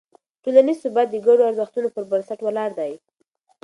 ټولنیز ثبات د ګډو ارزښتونو پر بنسټ ولاړ دی.